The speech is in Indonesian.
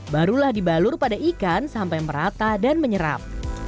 barulah dibalur pada ikan sampai merata dan menyerap